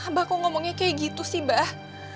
abah abah kok ngomongnya kayak gitu sih mbah